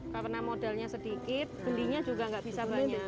karena modalnya sedikit belinya juga nggak bisa banyak